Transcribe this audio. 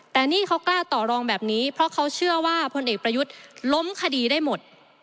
แต่นี่เขากล้าต่อรองแบบนี้เพราะเขาเชื่อว่าพลเอกประยุทธ์ล้มคดีได้หมด